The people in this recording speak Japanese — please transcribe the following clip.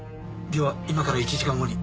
では今から１時間後に。